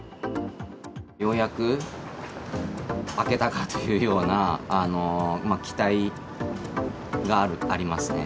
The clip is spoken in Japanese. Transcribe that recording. ようやく明けたかというような期待がありますね。